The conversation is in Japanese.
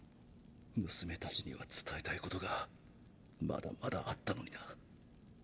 娘たちには伝えたいことがまだまだあったのにな。